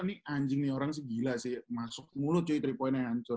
nih anjing nih orang sih gila sih masuk mulut cuy tiga point nya hancur